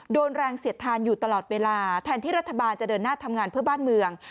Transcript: โดนแรงเสียดทานอยู่ตลอดเวลาแทนที่รัฐบาลจะเดินหน้าทำงานเพื่อบ้านเมือง